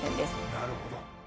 なるほど。